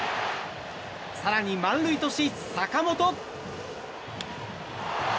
更に満塁とし、坂本。